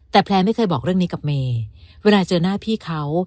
แต่แพลนไม่เคยบอกเรื่องนี้กับเมย์เวลาเจอหน้าพี่เขา